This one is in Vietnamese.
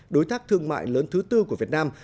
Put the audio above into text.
đối tác thương mại lớn thứ tư của việt nam